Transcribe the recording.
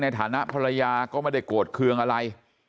ฐานะภรรยาก็ไม่ได้โกรธเครื่องอะไร